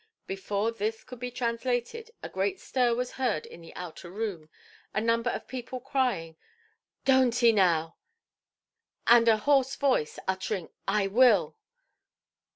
Before this could be translated, a great stir was heard in the outer–room, a number of people crying "Donʼt 'ee–now"! and a hoarse voice uttering "I will".